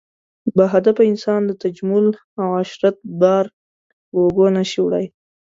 باهدفه انسان تجمل او عشرت بار په اوږو نه شي وړلی.